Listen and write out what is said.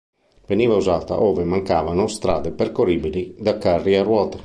Veniva usata ove mancavano strade percorribili da carri a ruote.